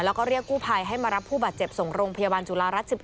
แล้วก็เรียกกู้ภัยให้มารับผู้บาดเจ็บส่งโรงพยาบาลจุฬารัฐ๑๑